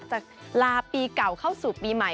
จะลาปีเก่าเข้าสู่ปีใหม่